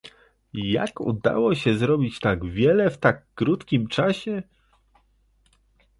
Jak udało się zrobić tak wiele w tak krótkim czasie?